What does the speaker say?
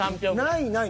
ないない。